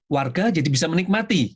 warga jadi bisa menikmati